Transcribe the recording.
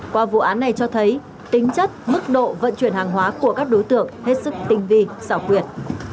qua vụ án này cho thấy tính chất mức độ vận chuyển hàng hóa của các đối tượng hết sức tinh vi xảo quyệt